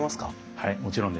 はいもちろんです。